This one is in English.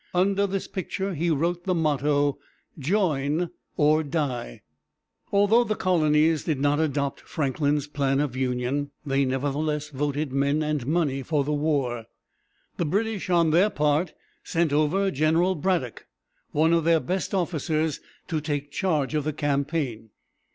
Under this picture he wrote the motto: "Join or die." Although the colonies did not adopt Franklin's plan of union, they nevertheless voted men and money for the war. The British, on their part, sent over General Braddock, one of their best officers, to take charge of the campaign.